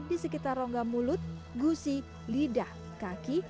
di sekitar rongga mulut gusi lidah kaki